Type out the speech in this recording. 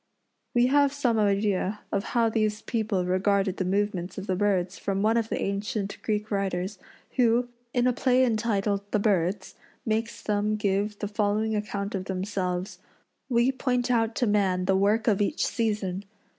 We have some idea of how these people regarded the movements of the birds from one of the ancient Greek writers, who, in a play entitled "The Birds," makes them give the following account of themselves: "We point out to man the work of each season.